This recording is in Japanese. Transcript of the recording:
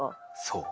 そう。